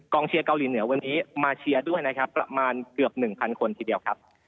เชียร์เกาหลีเหนือวันนี้มาเชียร์ด้วยนะครับประมาณเกือบ๑๐๐คนทีเดียวครับ